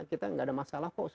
kita nggak ada masalah kok